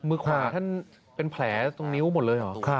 มือขวาท่านเป็นแผลตรงนิ้วหมดเลยเหรอ